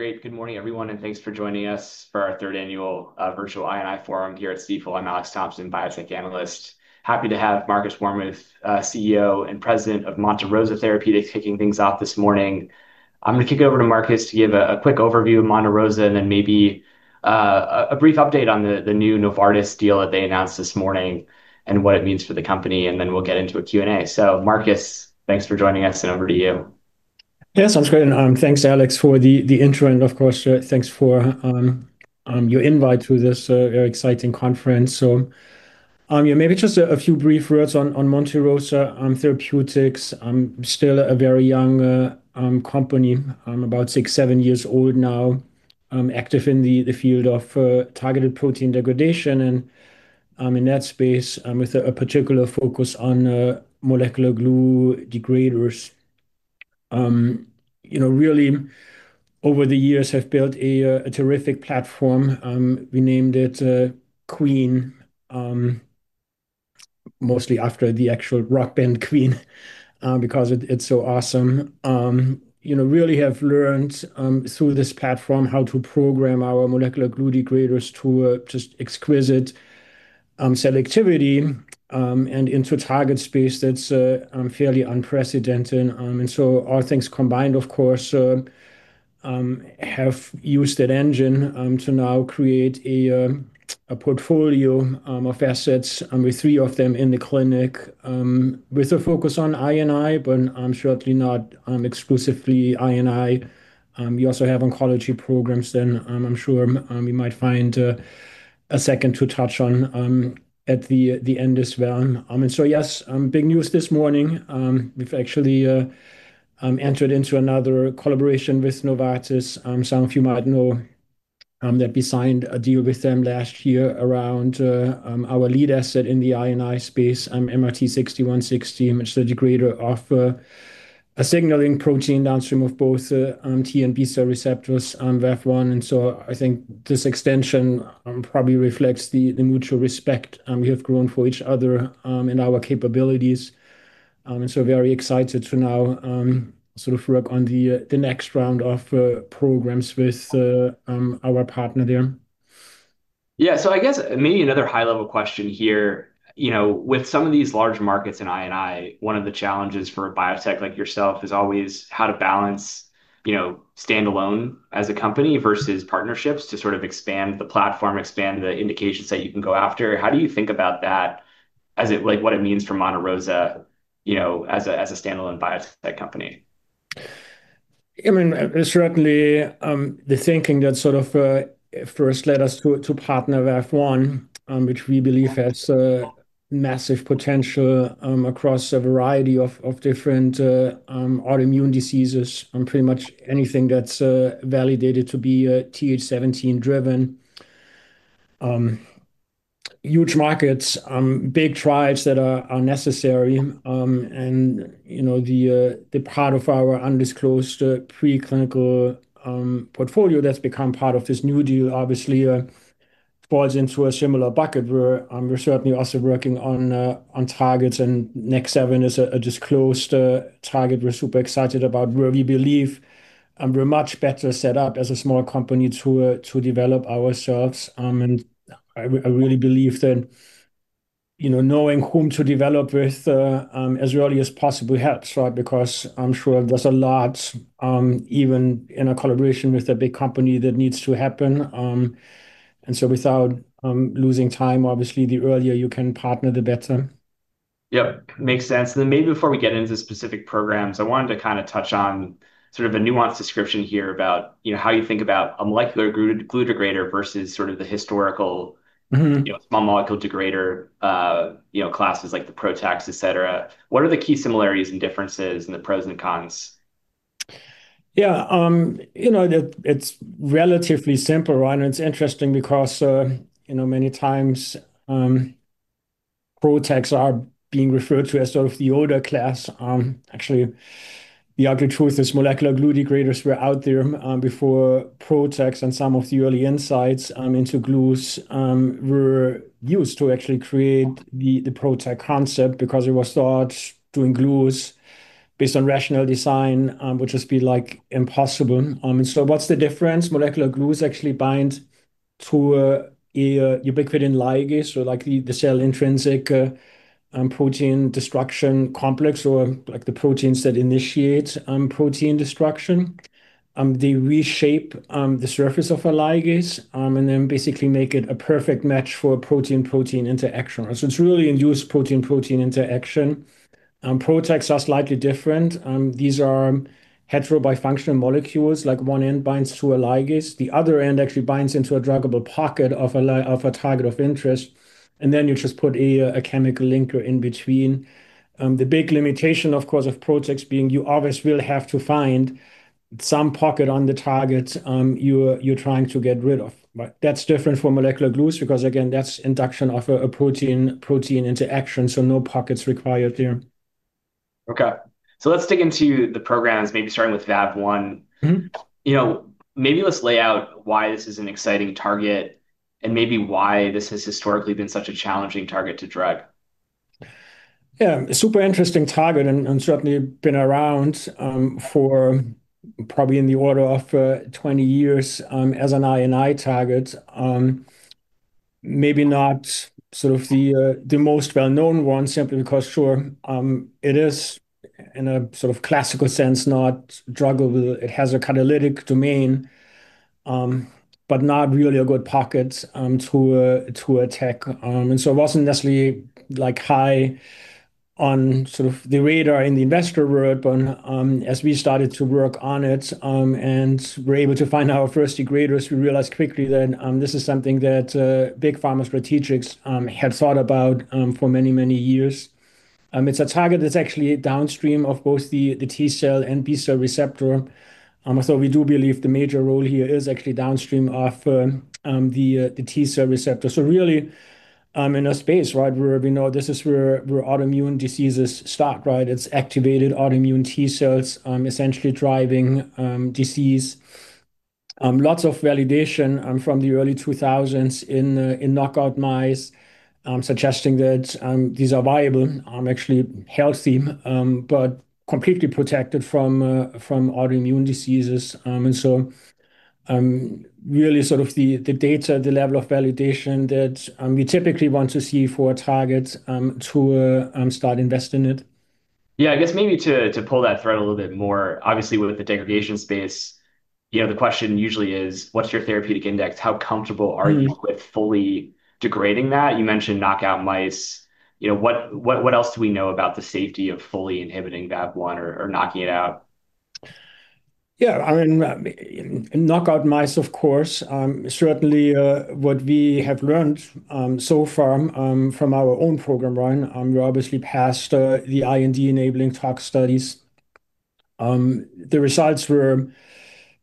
Hey, great. Good morning, everyone, and thanks for joining us for our third annual virtual I&I forum here at CFOL. I'm Alex Thompson, Biotech Analyst. Happy to have Markus Warmuth, CEO and President of Monte Rosa Therapeutics, kicking things off this morning. I'm going to kick it over to Markus to give a quick overview of Monte Rosa and then maybe a brief update on the new Novartis deal that they announced this morning and what it means for the company, then we'll get into a Q&A. Markus, thanks for joining us and over to you. Yeah, sounds great. Thanks, Alex, for the intro and, of course, thanks for your invite to this very exciting conference. Maybe just a few brief words on Monte Rosa Therapeutics. I'm still a very young company. I'm about six, seven years old now, active in the field of targeted protein degradation and in that space with a particular focus on molecular glue degraders. Over the years, I've built a terrific platform. We named it Queen, mostly after the actual rock band Queen, because it's so awesome. We have learned through this platform how to program our molecular glue degraders to just exquisite selectivity and into a target space that's fairly unprecedented. All things combined, of course, have used that engine to now create a portfolio of assets, with three of them in the clinic with a focus on I&I, but I'm certainly not exclusively I&I. We also have oncology programs, and I'm sure we might find a second to touch on at the end as well. Big news this morning. We've actually entered into another collaboration with Novartis. Some of you might know that we signed a deal with them last year around our lead asset in the I&I space, MRT-6160, which is a degrader of a signaling protein downstream of both T-cell and B-cell receptors, VEF1. I think this extension probably reflects the mutual respect we have grown for each other in our capabilities. Very excited to now sort of work on the next round of programs with our partner there. I guess maybe another high-level question here. With some of these large markets in I&I, one of the challenges for a biotech like yourself is always how to balance standalone as a company versus partnerships to sort of expand the platform, expand the indications that you can go after. How do you think about that as it, like, what it means for Monte Rosa Therapeutics as a standalone biotech company? I mean, it's certainly the thinking that sort of first led us to partner with Novartis, which we believe has massive potential across a variety of different autoimmune diseases, pretty much anything that's validated to be TH17-driven. Huge markets, big drives that are necessary. The part of our undisclosed preclinical portfolio that's become part of this new deal obviously falls into a similar bucket where we're certainly also working on targets, and Next7 is a disclosed target we're super excited about, where we believe we're much better set up as a small company to develop ourselves. I really believe that, you know, knowing whom to develop with as early as possible helps, right? I'm sure there's a lot, even in a collaboration with a big company, that needs to happen. Without losing time, obviously, the earlier you can partner, the better. Yeah, makes sense. Maybe before we get into specific programs, I wanted to kind of touch on sort of a nuanced description here about how you think about a molecular glue degrader versus sort of the historical small molecule degrader classes like the PROTACs, et cetera. What are the key similarities and differences and the pros and cons? Yeah, you know, it's relatively simple, right? It's interesting because, you know, many times PROTACs are being referred to as sort of the older class. Actually, the ugly truth is molecular glue degraders were out there before PROTACs and some of the early insights into glues were used to actually create the PROTAC concept because it was thought doing glues based on rational design would just be like impossible. What's the difference? Molecular glues actually bind to a ubiquitin ligase, like the cell intrinsic protein destruction complex or like the proteins that initiate protein destruction. They reshape the surface of a ligase and then basically make it a perfect match for a protein-protein interaction. It's really induced protein-protein interaction. PROTACs are slightly different. These are heterobifunctional molecules. One end binds to a ligase, the other end actually binds into a druggable pocket of a target of interest, and then you just put a chemical linker in between. The big limitation, of course, of PROTACs being you always will have to find some pocket on the target you're trying to get rid of. That's different from molecular glues because, again, that's induction of a protein-protein interaction, so no pockets required there. Okay, let's dig into the programs, maybe starting with VEF1. Maybe let's lay out why this is an exciting target and maybe why this has historically been such a challenging target to drug. Yeah, super interesting target and certainly been around for probably in the order of 20 years as an I&I target. Maybe not sort of the most well-known one simply because, sure, it is, in a sort of classical sense, not druggable. It has a catalytic domain, but not really a good pocket to attack. It wasn't necessarily like high on sort of the radar in the investor world, but as we started to work on it and were able to find our first degraders, we realized quickly that this is something that big pharma strategics had thought about for many, many years. It's a target that's actually downstream of both the T-cell and B-cell receptor. We do believe the major role here is actually downstream of the T-cell receptor. Really, in a space where we know this is where autoimmune diseases start, it's activated autoimmune T-cells essentially driving disease. Lots of validation from the early 2000s in knockout mice suggesting that these are viable, actually healthy, but completely protected from autoimmune diseases. Really, the data, the level of validation that we typically want to see for a target to start investing in it. I guess maybe to pull that thread a little bit more, obviously with the degradation space, the question usually is, what's your therapeutic index? How comfortable are you with fully degrading that? You mentioned knockout mice. What else do we know about the safety of fully inhibiting VEF1 or knocking it out? Yeah, I mean, knockout mice, of course. Certainly, what we have learned so far from our own program, right, we're obviously past the IND-enabling tox studies. The results were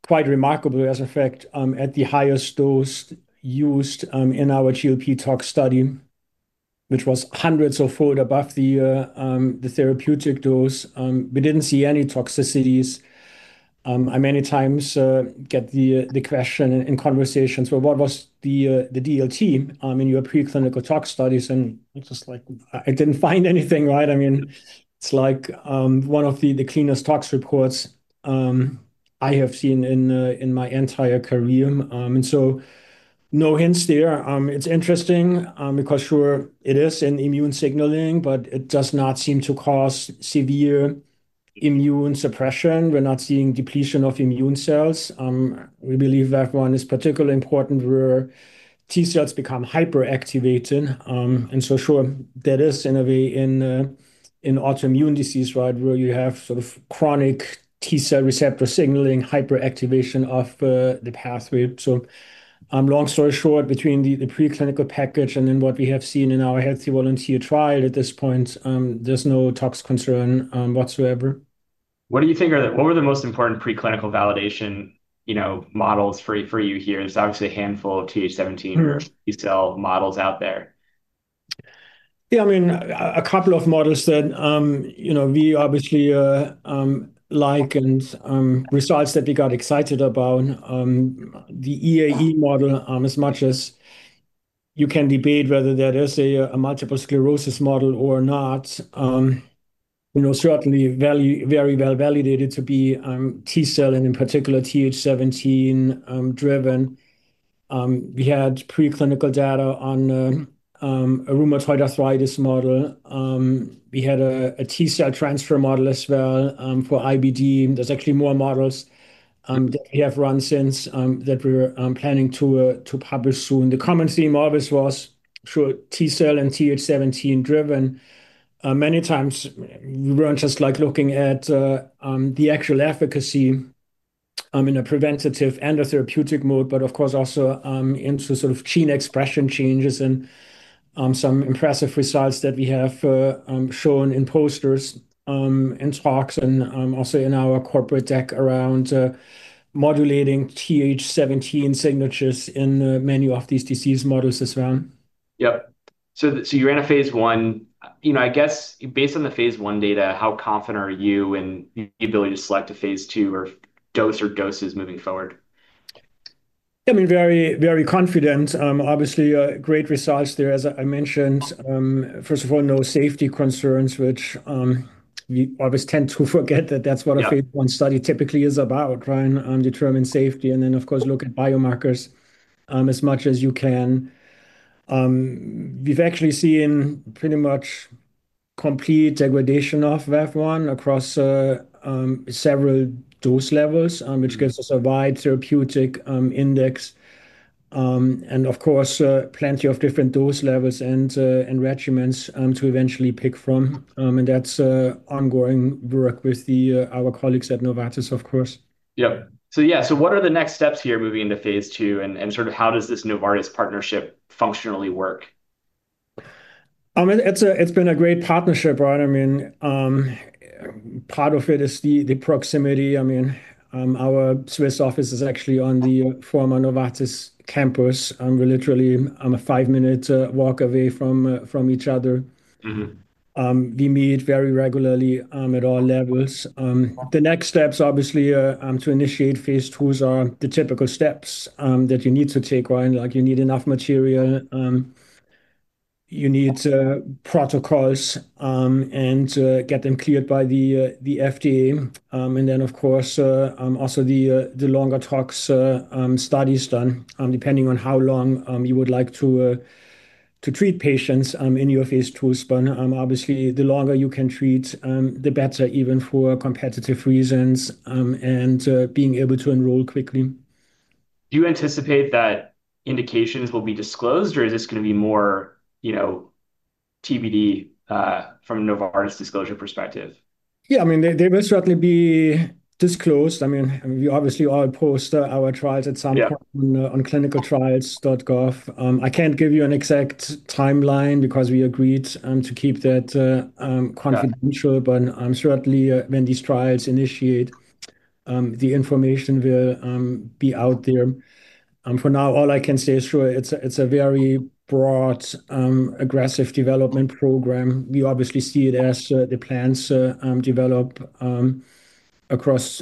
quite remarkable, as a fact at the highest dose used in our GLP tox study, which was hundreds of fold above the therapeutic dose. We didn't see any toxicities. I many times get the question in conversations, what was the DLT? I mean, your preclinical tox studies, and it's just like I didn't find anything, right? I mean, it's like one of the cleanest tox reports I have seen in my entire career. No hints there. It's interesting because sure, it is an immune signaling, but it does not seem to cause severe immune suppression. We're not seeing depletion of immune cells. We believe VEF1 is particularly important where T-cells become hyperactivated. Sure, that is in a way in autoimmune disease, right, where you have sort of chronic T-cell receptor signaling hyperactivation of the pathway. Long story short, between the preclinical package and then what we have seen in our Head Cell Volunteer Trial at this point, there's no tox concern whatsoever. What do you think are the most important preclinical validation models for you here? There's obviously a handful of TH17 or T-cell models out there. Yeah, I mean, a couple of models that we obviously like and results that we got excited about. The EAE model, as much as you can debate whether that is a multiple sclerosis model or not, is certainly very well validated to be T-cell and in particular TH17-driven. We had preclinical data on a rheumatoid arthritis model. We had a T-cell transfer model as well for IBD. There are actually more models that we have run since that we're planning to publish soon. The common theme always was T-cell and TH17-driven. Many times we weren't just looking at the actual efficacy in a preventative and a therapeutic mode, but of course also into sort of gene expression changes and some impressive results that we have shown in posters and talks and also in our corporate deck around modulating TH17 signatures in many of these disease models as well. You're in a phase one. Based on the phase one data, how confident are you in the ability to select a phase two dose or doses moving forward? I mean, very, very confident. Obviously, great results there, as I mentioned. First of all, no safety concerns, which we always tend to forget that that's what a phase one study typically is about, trying to determine safety. Then, of course, look at biomarkers as much as you can. We've actually seen pretty much complete degradation of VEF1 across several dose levels, which gives us a wide therapeutic index. Of course, plenty of different dose levels and regimens to eventually pick from. That's ongoing work with our colleagues at Novartis, of course. What are the next steps here moving into phase two and sort of how does this Novartis partnership functionally work? It's been a great partnership, right? I mean, part of it is the proximity. I mean, our Swiss office is actually on the former Novartis campus. We're literally a five-minute walk away from each other. We meet very regularly at all levels. The next steps, obviously, to initiate phase two, are the typical steps that you need to take, right? Like you need enough material, you need protocols and get them cleared by the FDA. Of course, also the longer tox studies done, depending on how long you would like to treat patients in your phase two. Obviously, the longer you can treat, the better, even for competitive reasons and being able to enroll quickly. Do you anticipate that indications will be disclosed, or is this going to be more, you know, TBD from Novartis' disclosure perspective? Yeah, I mean, they will certainly be disclosed. We obviously all post our trials at some point on clinicaltrials.gov. I can't give you an exact timeline because we agreed to keep that confidential, but certainly when these trials initiate, the information will be out there. For now, all I can say is sure it's a very broad, aggressive development program. We obviously see it as the plans develop across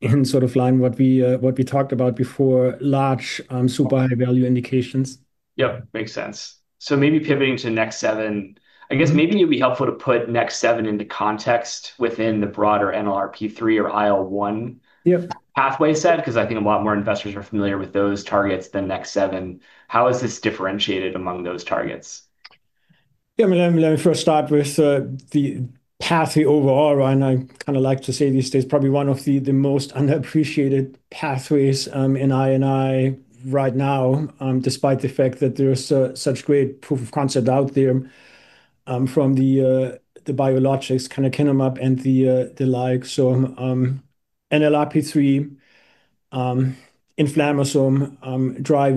in sort of line with what we talked about before, large, super high-value indications. Yeah, makes sense. Maybe pivoting to Next7, I guess it'd be helpful to put Next7 into context within the broader NLRP3 or IL-1 pathway set, because I think a lot more investors are familiar with those targets than Next7. How is this differentiated among those targets? Yeah, I mean, let me first start with the pathway overall, right? I kind of like to say this is probably one of the most underappreciated pathways in I&I right now, despite the fact that there's such great proof of concept out there from the biologics like Canakinumab and the like. NLRP3 inflammasome drives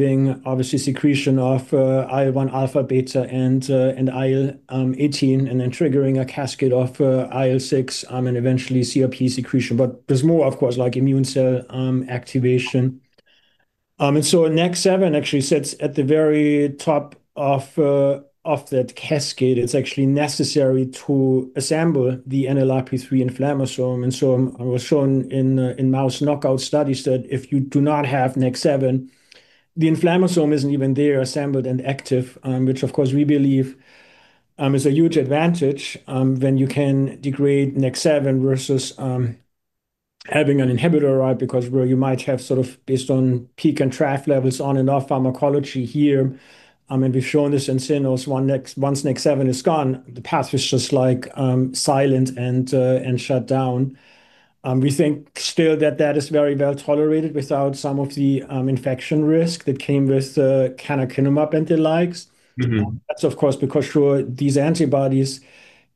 obviously secretion of IL-1 alpha, beta, and IL-18, and then triggers a cascade of IL-6 and eventually CRP secretion. There's more, of course, like immune cell activation. Next7 actually sits at the very top of that cascade. It's actually necessary to assemble the NLRP3 inflammasome. It was shown in mouse knockout studies that if you do not have Next7, the inflammasome isn't even there assembled and active, which we believe is a huge advantage when you can degrade Next7 versus having an inhibitor, right? Where you might have sort of based on peak and trough levels on and off pharmacology here, and we've shown this in cynos, once Next7 is gone, the pathway is just silent and shut down. We think still that that is very well tolerated without some of the infection risk that came with Canakinumab and the likes. These antibodies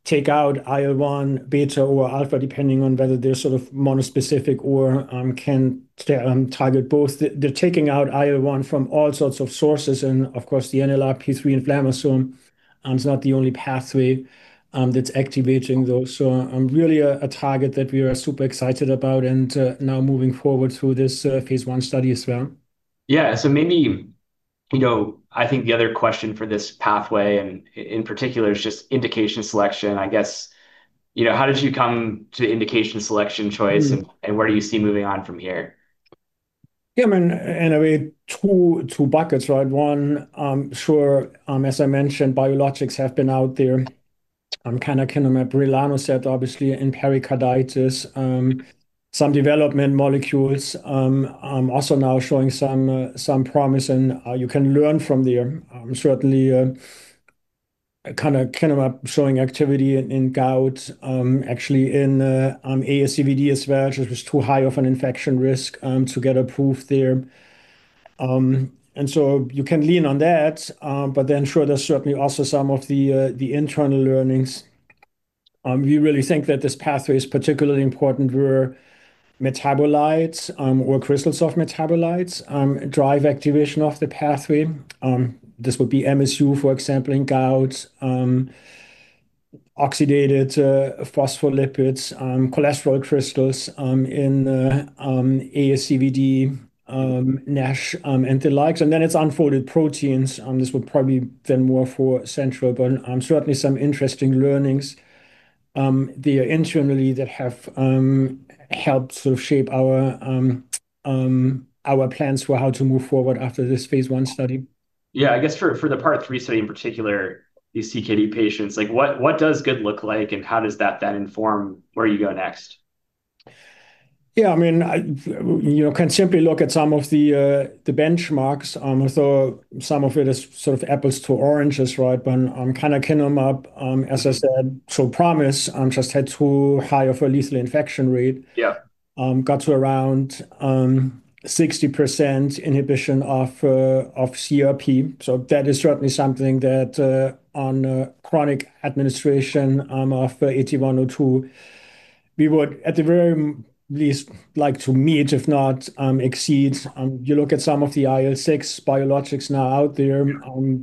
take out IL-1 beta or alpha, depending on whether they're sort of monospecific or can target both. They're taking out IL-1 from all sorts of sources, and the NLRP3 inflammasome is not the only pathway that's activating those. I'm really a target that we are super excited about and now moving forward through this phase one study as well. I think the other question for this pathway in particular is just indication selection. How did you come to indication selection choice, and where do you see moving on from here? Yeah, I mean, in a way, two buckets, right? One, sure, as I mentioned, biologics have been out there. Canakinumab, Rilonacept, obviously in pericarditis. Some development molecules are also now showing some promise, and you can learn from there. Certainly, Canakinumab showing activity in gout, actually in ASCVD as well, which was too high of an infection risk to get approved there. You can lean on that, but then sure, there's certainly also some of the internal learnings. We really think that this pathway is particularly important where metabolites or crystals of metabolites drive activation of the pathway. This would be MSU, for example, in gout, oxidated phospholipids, cholesterol crystals in ASCVD, NASH, and the likes. Then it's unfolded proteins. This would probably be then more for central, but certainly some interesting learnings there internally that have helped sort of shape our plans for how to move forward after this phase one study. For the part three study in particular, these CKD patients, like what does good look like, and how does that then inform where you go next? Yeah, I mean, you know, you can simply look at some of the benchmarks. Some of it is sort of apples to oranges, right? Canakinumab, as I said, showed promise, just had too high of a lethal infection rate. Yeah, got to around 60% inhibition of CRP. That is certainly something that on chronic administration of 81 or 82, we would at the very least like to meet, if not exceed. You look at some of the IL-6 biologics now out there,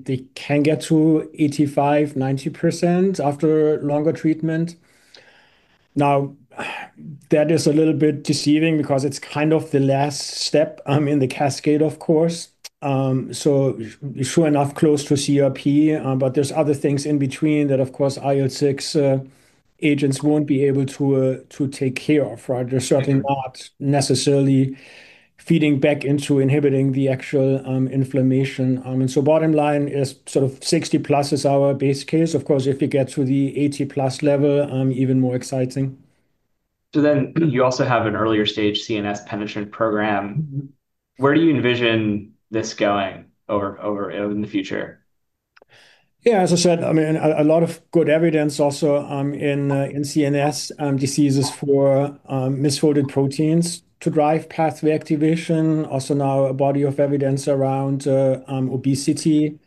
they can get to 85%, 90% after longer treatment. That is a little bit deceiving because it's kind of the last step in the cascade, of course. Sure enough, close to CRP, but there's other things in between that, of course, IL-6 agents won't be able to take care of, right? They're certainly not necessarily feeding back into inhibiting the actual inflammation. Bottom line is sort of 60% plus is our base case. Of course, if we get to the 80% plus level, even more exciting. You also have an earlier stage CNS-penetrant program. Where do you envision this going in the future? Yeah, as I said, a lot of good evidence also in CNS diseases for misfolded proteins to drive pathway activation. Also, now a body of evidence around obesity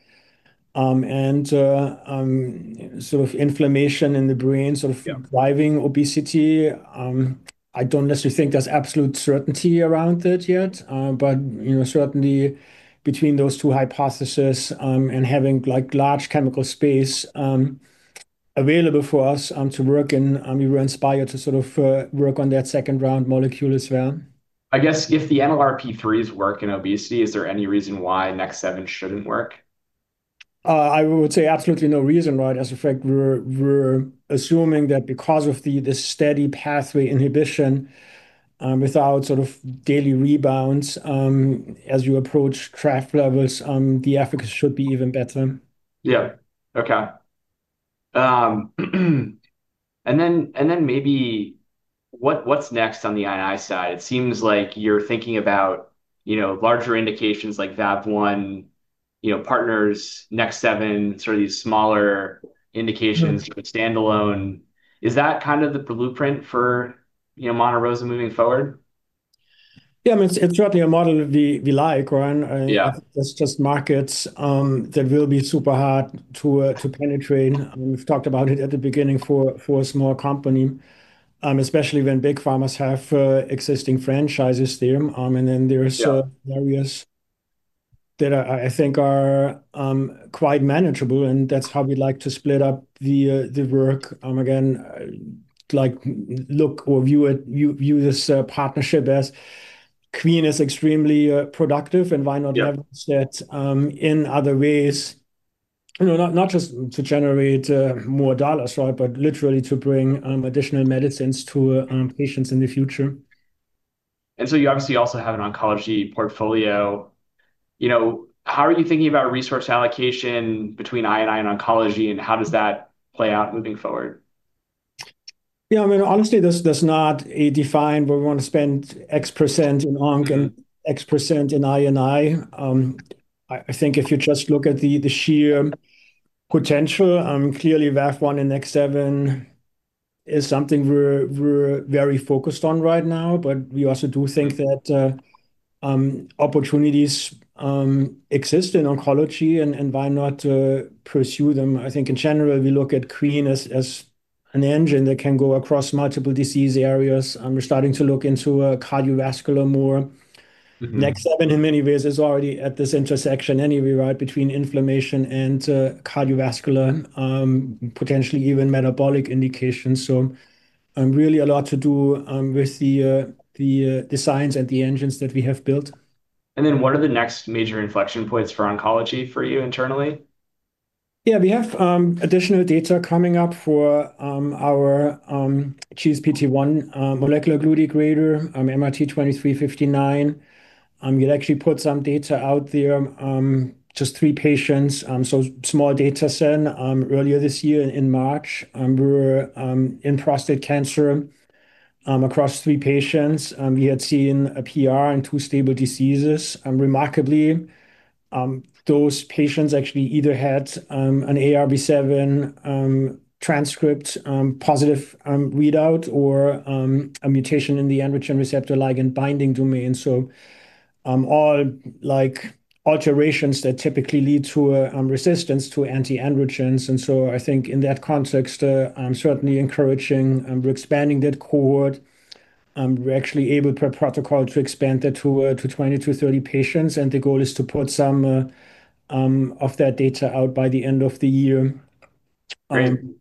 and sort of inflammation in the brain, sort of driving obesity. I don't necessarily think there's absolute certainty around it yet, but certainly between those two hypotheses and having large chemical space available for us to work in, we were inspired to sort of work on that second round molecule as well. I guess if the NLRP3 is working in obesity, is there any reason why Next7 shouldn't work? I would say absolutely no reason, right? As a fact, we're assuming that because of the steady pathway inhibition without sort of daily rebounds, as you approach trough levels, the efficacy should be even better. Okay. Maybe what's next on the I&I side? It seems like you're thinking about larger indications like VEF1, partners, Next7, sort of these smaller indications with standalone. Is that kind of the blueprint for Monte Rosa Therapeutics moving forward? Yeah, I mean, it's certainly a model that we like, right? I think there's just markets that will be super hard to penetrate. We've talked about it at the beginning for a small company, especially when big pharmas have existing franchises there. There are areas that I think are quite manageable, and that's how we like to split up the work. Again, view this partnership as Queen is extremely productive, and why not leverage that in other ways? Not just to generate more dollars, but literally to bring additional medicines to patients in the future. You obviously also have an oncology portfolio. How are you thinking about resource allocation between I&I and oncology, and how does that play out moving forward? Yeah, I mean, honestly, there's not a defined way we want to spend X% in onc and X% in I&I. I think if you just look at the sheer potential, clearly VEF1 and Next7 is something we're very focused on right now, but we also do think that opportunities exist in oncology, and why not pursue them? I think in general, we look at Queen as an engine that can go across multiple disease areas. We're starting to look into cardiovascular more. Next7 in many ways is already at this intersection anyway, right, between inflammation and cardiovascular, potentially even metabolic indications. Really a lot to do with the science and the engines that we have built. What are the next major inflection points for oncology for you internally? Yeah, we have additional data coming up for our GSPT1 molecular glue degrader, MRT-2359. We had actually put some data out there, just three patients, so small data set earlier this year in March. We were in prostate cancer across three patients. We had seen a PR and two stable diseases. Remarkably, those patients actually either had an ARV7 transcript positive readout or a mutation in the androgen receptor ligand binding domain. All alterations that typically lead to resistance to anti-androgens. I think in that context, certainly encouraging, we're expanding that cohort. We're actually able per protocol to expand that to 20 to 30 patients, and the goal is to put some of that data out by the end of the year. Certainly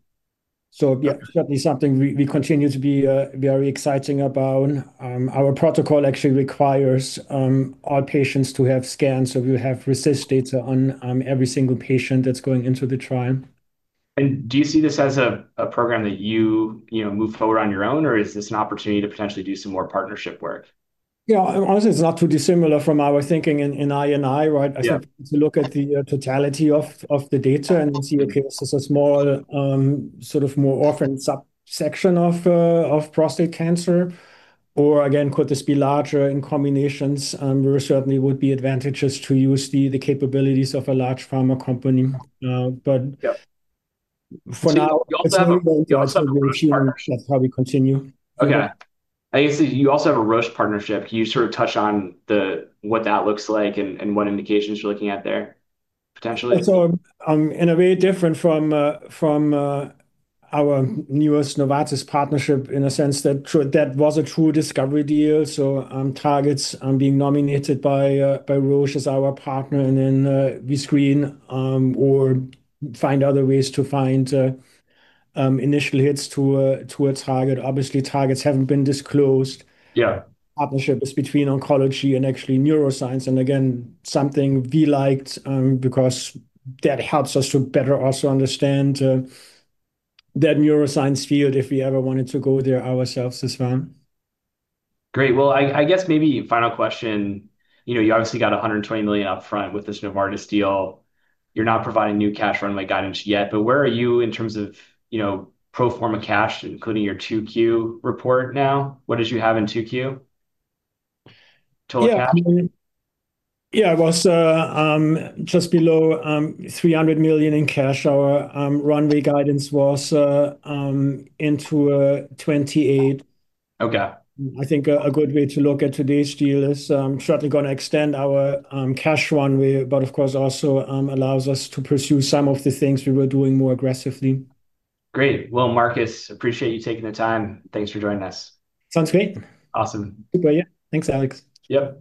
something we continue to be very excited about. Our protocol actually requires all patients to have scans, so we'll have RECIST data on every single patient that's going into the trial. Do you see this as a program that you move forward on your own, or is this an opportunity to potentially do some more partnership work? Honestly, it's not too dissimilar from our thinking in I&I, right? I think to look at the totality of the data and then see, okay, this is a small sort of more orphan subsection of prostate cancer, or again, could this be larger in combinations? There certainly would be advantages to use the capabilities of a large pharma company. For now, that's how we continue. Okay. I guess you also have a Roche partnership. Can you sort of touch on what that looks like and what indications you're looking at there potentially? In a way, different from our newest Novartis partnership in a sense that that was a true discovery deal. Targets being nominated by Roche as our partner, and then we screen or find other ways to find initial hits to a target. Obviously, targets haven't been disclosed. The partnership is between oncology and actually neuroscience. Again, something we liked because that helps us to better also understand that neuroscience field if we ever wanted to go there ourselves as well. Great. I guess maybe final question. You obviously got $120 million upfront with this Novartis deal. You're not providing new cash runway guidance yet, but where are you in terms of pro forma cash, including your 2Q report now? What did you have in 2Q? Yeah, it was just below $300 million in cash. Our runway guidance was into 2028. Okay. I think a good way to look at today's deal is certainly going to extend our cash runway, but of course also allows us to pursue some of the things we were doing more aggressively. Great. Markus, appreciate you taking the time. Thanks for joining us. Sounds great. Awesome. Good. Yeah, thanks, Alex. Yep.